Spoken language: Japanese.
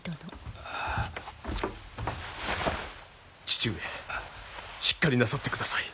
父上しっかりなさってください！